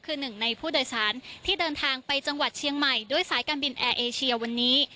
คือหนึ่งในผู้โดยสารที่เดินทางไปจังหวัดเชียงใหม่ด้วยสายการบินแอร์เอเชียวันนี้